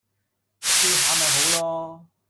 笑下咪好囉